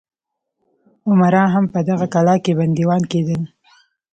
امرا هم په دغه کلا کې بندیان کېدل.